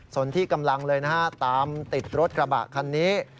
ส่วนที่กำลังเลยนะฮะตามติดรถกระบะคันนี้